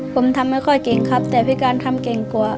ผมทำไม่ค่อยเก่งครับแต่พี่การทำเก่งกว่า